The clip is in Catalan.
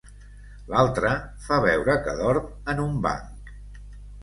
L'altre, fa veure que dorm en un banc.